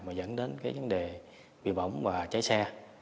mà dẫn đến cái vấn đề bị bỏng và cháy xe